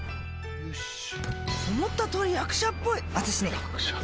よーし思った通り役者っぽい私ね‥